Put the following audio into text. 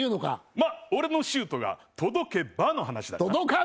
ま、俺のシュートが届けばの話だがな。